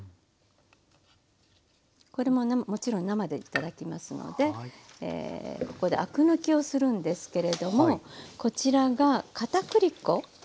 これももちろん生で頂きますのでここでアク抜きをするんですけれどもこちらがかたくり粉。